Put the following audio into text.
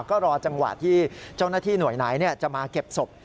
ก็รอจังหวะที่เจ้าหน้าที่หน่วยไหนจะมาเก็บศพ